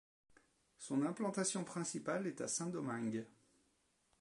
Son implantation principale est à Saint-Domingue.